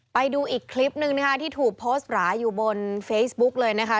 ไปดูอีกคลิปนึงนะคะที่ถูกโพสต์หราอยู่บนเฟซบุ๊กเลยนะคะ